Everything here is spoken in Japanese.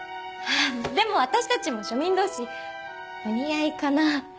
でも私たちも庶民同士お似合いかな。